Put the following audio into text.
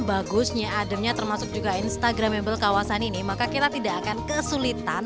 bagusnya ademnya termasuk juga instagramable kawasan ini maka kita tidak akan kesulitan